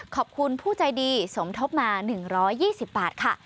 ขอบคุณผู้ใจดีสมทบมา๑๒๐บาทค่ะ